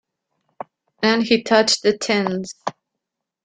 And he touched the tins.